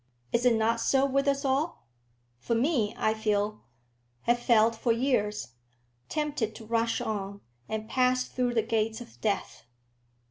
Is it not so with us all? For me I feel, have felt for years, tempted to rush on, and pass through the gates of death.